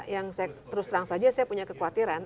yang saya terus terang saja saya punya kekhawatiran